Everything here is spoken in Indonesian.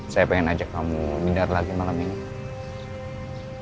saya pengen ajak kamu mindar lagi malam ini